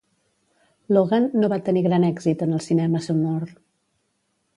Logan, no va tenir gran èxit en el cinema sonor.